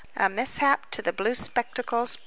A MISHAP TO THE BLUE SPECTACLES.